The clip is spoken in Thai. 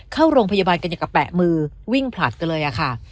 เข้าโรงพยาบาลกับแปะมือวิ่งผลัดกันเลยอะค่ะ